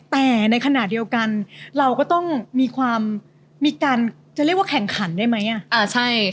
แต่ในขณะเดียวกันเราก็ต้องมีความมีการจะเรียกว่าแข่งขันได้ไหม